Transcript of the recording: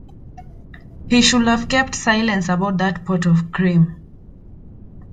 He should have kept silence about that pot of cream.